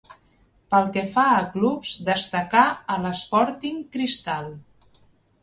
Pel que fa a clubs, destacà a l'Sporting Cristal.